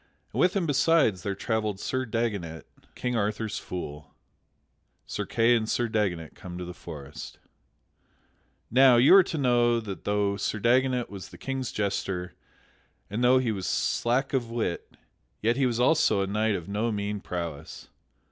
And with him besides there travelled Sir Dagonet, King Arthur's Fool. [Sidenote: Sir Kay and Sir Dagonet come to the forest] Now, you are to know that though Sir Dagonet was the King's jester, and though he was slack of wit, yet he was also a knight of no mean prowess.